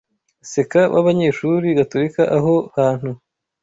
SECA w’abanyeshuri gatolika aho hantu